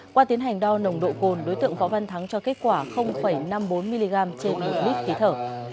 qua tiến hành đo nồng độ cồn đối tượng võ văn thắng cho kết quả năm mươi bốn mg trên một lít khí thở